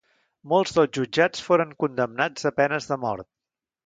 Molts dels jutjats foren condemnats a penes de mort.